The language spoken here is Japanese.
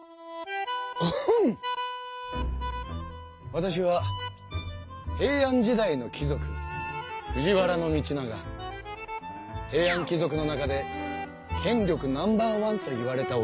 わたしは平安時代の貴族平安貴族の中で権力ナンバーワンといわれた男だ。